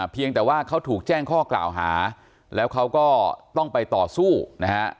เพียงแต่ว่าเขาถูกแจ้งข้อกล่าวหาแล้วเขาก็ต้องไปต่อสู้นะฮะ